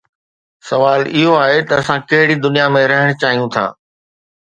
سوال اهو آهي ته اسان ڪهڙي دنيا ۾ رهڻ چاهيون ٿا؟